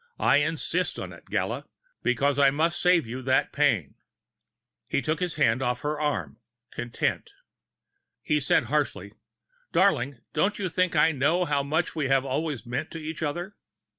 I insist on it, Gala, because I must save you that pain." He took his hand off her arm, content. He said harshly: "Darling, don't you think I know how much we've always meant to each other?"